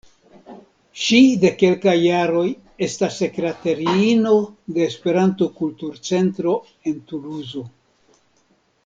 Ŝi de kelkaj jaroj estas sekretariino de Esperanto-Kultur-Centro en Tuluzo.